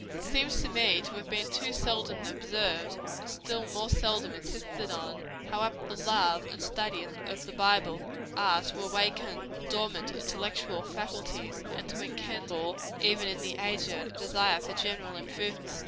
It seems to me to have been too seldom observed, and still more seldom insisted on, how apt the love and study of the Bible are to awaken the dormant intellectual faculties, and to enkindle, even in the aged, a desire for general improvement.